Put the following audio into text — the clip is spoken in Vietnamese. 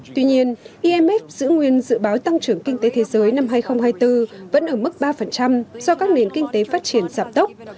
tuy nhiên imf giữ nguyên dự báo tăng trưởng kinh tế thế giới năm hai nghìn hai mươi bốn vẫn ở mức ba do các nền kinh tế phát triển giảm tốc